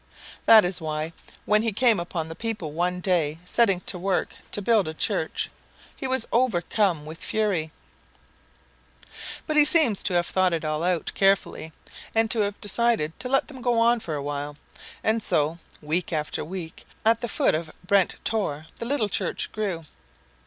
That is why, when he came upon the people one day setting to work to build a church, he was overcome with fury. But he seems to have thought it all out carefully, and to have decided to let them go on for a while, and so, week after week, at the foot of Brent Tor, the little church grew.